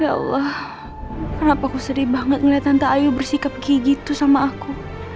ya allah kenapa aku sedih banget ngeliat tante ayu bersikap kayak gitu sama aku